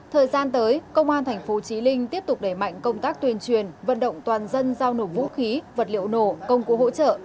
thời gian tới công an tp trí linh tiếp tục đẩy mạnh công tác tuyên truyền vận động toàn dân giao nổ vũ khí vật liệu nổ công cụ hỗ trợ